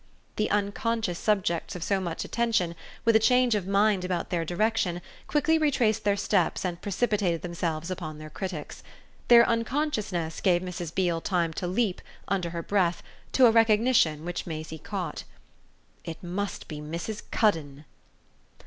the unconscious subjects of so much attention, with a change of mind about their direction, quickly retraced their steps and precipitated themselves upon their critics. Their unconsciousness gave Mrs. Beale time to leap, under her breath, to a recognition which Maisie caught. "It must be Mrs. Cuddon!"